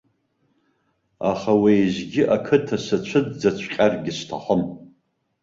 Аха уеизгьы ақыҭа сацәыӡӡаҵәҟьаргьы сҭахым.